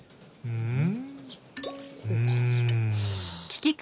うん？